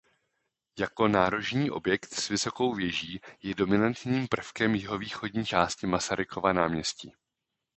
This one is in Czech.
Jako nárožní objekt s vysokou věží je dominantním prvkem jihovýchodní části Masarykova náměstí.